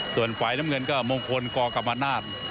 ส่วนฝ่ายน้ำเงินก็มงคลกกรรมนาศ